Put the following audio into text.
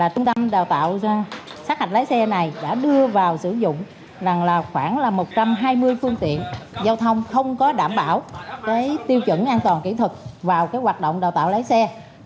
trung tâm đào tạo sát hạch lái xe này đã đưa vào sử dụng khoảng một trăm hai mươi phương tiện giao thông không có đảm bảo tiêu chuẩn an toàn kỹ thuật vào hoạt động đào tạo lái xe